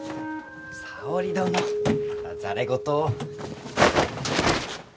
沙織殿またざれ言を。